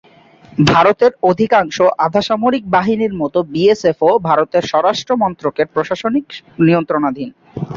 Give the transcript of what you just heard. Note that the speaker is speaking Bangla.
ভারতের অধিকাংশ আধাসামরিক বাহিনীর মতো বিএসএফ-ও ভারতের স্বরাষ্ট্র মন্ত্রকের প্রশাসনিক নিয়ন্ত্রণাধীন।